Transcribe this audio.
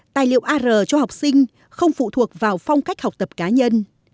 tài liệu ar cho học sinh không phụ thuộc vào phong cách học tập cá nhân